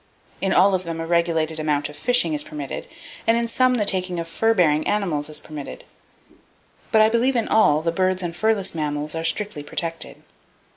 In all of them a regulated amount of fishing is permitted, and in some the taking of fur bearing animals is permitted; but I believe in all the birds and furless mammals are strictly protected.